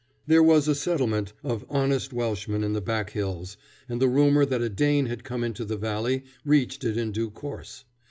There was a settlement of honest Welshmen in the back hills, and the rumor that a Dane had come into the valley reached it in due course.